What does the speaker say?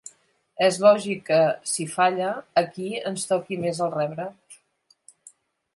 És lògic que, si falla, aquí ens toqui més el rebre.